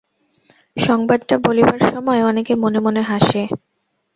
সংবাদটা বলিবার সময় অনেকে মনে মনে হাসে।